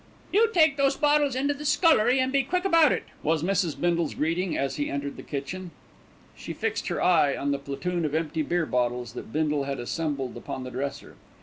"You take those bottles into the scullery and be quick about it," was Mrs. Bindle's greeting as he entered the kitchen. She fixed her eye on the platoon of empty beer bottles that Bindle had assembled upon the dresser.